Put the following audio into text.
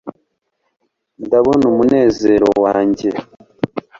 ndabona umunezero wanjye